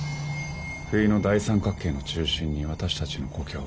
冬の大三角形の中心に私たちの故郷はありました。